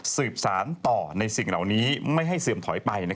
สืบสารต่อในสิ่งเหล่านี้ไม่ให้เสื่อมถอยไป